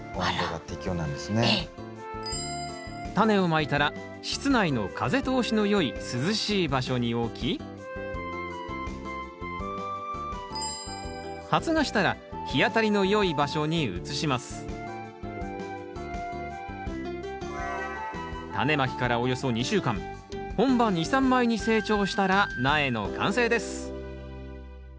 タネをまいたら室内の風通しのよい涼しい場所に置き発芽したら日当たりのよい場所に移します本葉２３枚に成長したら苗の完成です